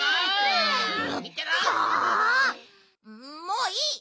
もういい！